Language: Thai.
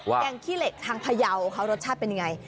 แกงขี้เหล็กทางพยาวเขารสชาติเป็นยังไง